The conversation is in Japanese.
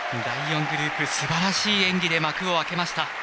第４グループすばらしい演技で幕を開けました。